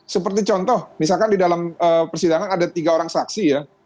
seperti contoh misalkan di dalam persidangan ada tiga orang saksi ya